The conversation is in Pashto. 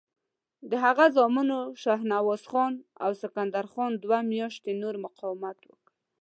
د هغه زامنو شهنواز خان او سکندر خان دوه میاشتې نور مقاومت وکړ.